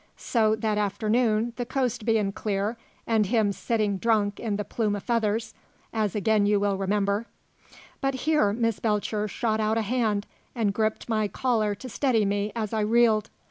So that afternoon, the coast bein' clear and him sitting drunk in the Plume o' Feathers, as again you will remember " But here Miss Belcher shot out a hand and gripped my collar to steady me as I reeled.